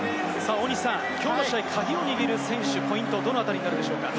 きょうの試合、カギを握る選手、ポイントはどのあたりでしょうか？